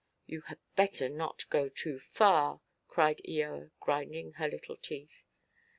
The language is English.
"You had better not go too far!" cried Eoa, grinding her little teeth.